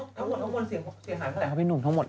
ทั้งหมดเขาเงินเท่าไหร่เขาไปหนุนทั้งหมด